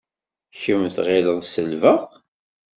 Kemm tɣileḍ selbeɣ?